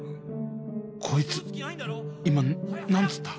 こいつ今何つった？